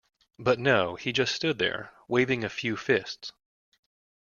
But no, he just stood there. Waving a few fists.